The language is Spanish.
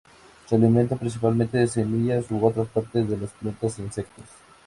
Se alimentan principalmente de semillas u otras partes de las plantas e insectos.